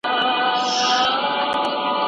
که دومره پوهېدلای وای چې: